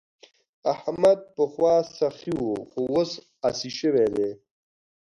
احمد پخوا سخي وو خو اوس اسي شوی دی.